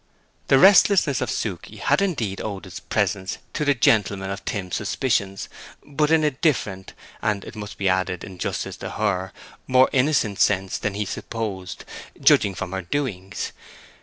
The restlessness of Suke had indeed owed its presence to the gentleman of Tim's suspicions, but in a different—and it must be added in justice to her—more innocent sense than he supposed, judging from former doings.